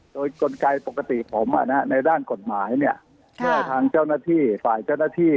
โดยกลไกปกติผมในด้านกฎหมายทางเจ้าหน้าที่ฝ่ายเจ้าหน้าที่